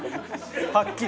はっきり。